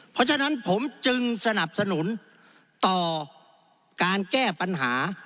เพราะฉะนั้นผมจึงสนับสนุนต่อการแก้ปัญหา